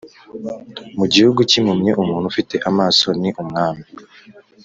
mu gihugu cyimpumyi umuntu ufite amaso ni umwami